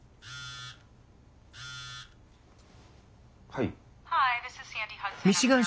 はい。